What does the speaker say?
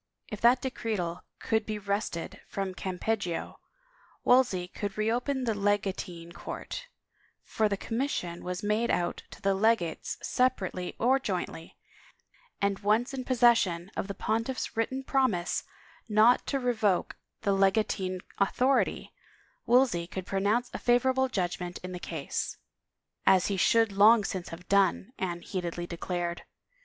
If that decretal could be wrested from Campeggio, Wolsey could reopen the legatine court — for the commission was made out to the legates separately or jointly — and once in possession of the pontiff's written promise not to re voke the legatine authority, Wolsey could pronounce a favorable judgment in the case. " As he should long since have done," Anne heatedly declared.